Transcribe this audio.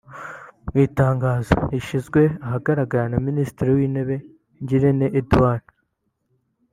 mu itangazo ryashyizwe ahagaragara na Minisitiri w’Intebe Ngirente Eduard